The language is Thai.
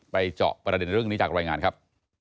เจาะประเด็นเรื่องนี้จากรายงานครับ